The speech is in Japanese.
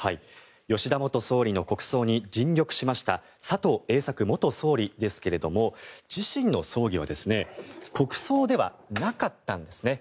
吉田元総理の国葬に尽力しました佐藤栄作元総理ですが自身の葬儀は国葬ではなかったんですね。